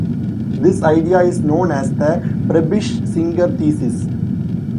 This idea is known as the Prebisch-Singer thesis.